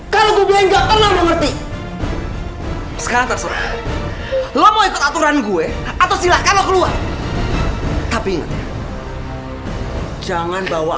kalau gue enggak pernah mengerti sekarang terserah lo mau ikut aturan gue atau silahkan lo keluar tapi jangan bawa